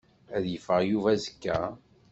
Ad yeffeɣ Yuba azekka?